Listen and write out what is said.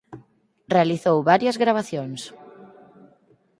Realizou varias gravacións.